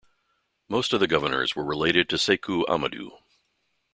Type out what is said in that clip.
Most of the governors were related to Seku Amadu.